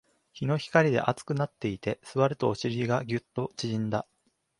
日の光で熱くなっていて、座るとお尻がギュッと縮んだ